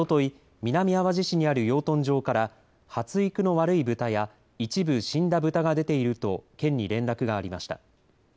南あわじ市にある養豚場から発育の悪い豚や一部死んだ豚が出ていると県に連絡がありました。